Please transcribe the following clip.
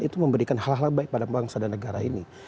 itu memberikan hal hal baik pada bangsa dan negara ini